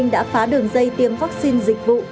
đã phá đường dây tiêm vaccine dịch vụ